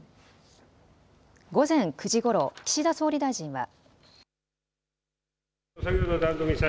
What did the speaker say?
午前９時ごろ、岸田総理大臣は。